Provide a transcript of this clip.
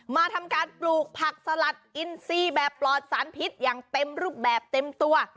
มาทำการปลูกผักสลัดอินซีแบบปลอดสารพิษอย่างเต็มรูปแบบเต็มตัว